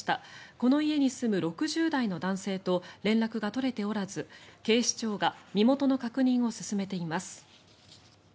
この家に住む６０代の男性と連絡が取れておらず警視庁が身元の確認を進めています。